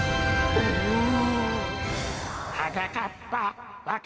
うん？